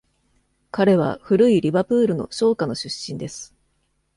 彼は古いリバプールの商家の出身です。